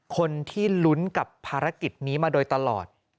คนที่ลุ้นกับภารกิจนี้มาโดยตลอด